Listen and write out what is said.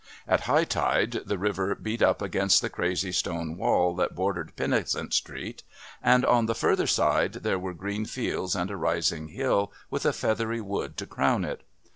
At high tide the river beat up against the crazy stone wall that bordered Pennicent Street; and on the further side there were green fields and a rising hill with a feathery wood to crown it.